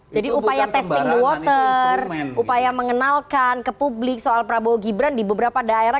jadi upaya testing the water upaya mengenalkan ke publik soal prabowo gibran di beberapa daerah